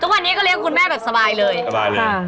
ทุกวันนี้ก็เลี้ยคุณแม่แบบสบายเลยสบายเลย